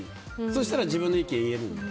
そうしたら自分の意見を言えるので。